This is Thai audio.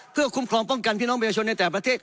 เพื่อคุ้มครองป้องกันพี่น้องประชาชนในแต่ประเทศ